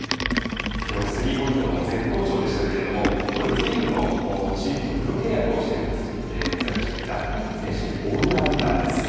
先ほどスリーポイントも絶好調でしたけれどもドイツリーグのチームとプロ契約をして活躍してきた選手でオールラウンダーです。